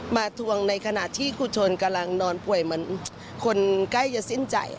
ทวงในขณะที่ครูชนกำลังนอนป่วยเหมือนคนใกล้จะสิ้นใจ